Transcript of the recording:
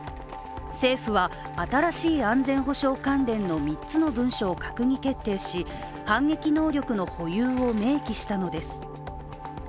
政府は新しい安全保障関連の３つの文書を閣議決定し反撃能力の保有を明記したのです。